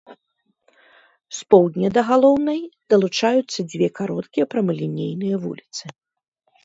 З поўдня да галоўнай далучаюцца дзве кароткія прамалінейныя вуліцы.